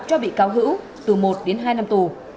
cho bị cáo hữu từ một đến hai năm tù